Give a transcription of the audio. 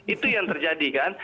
itu yang terjadi kan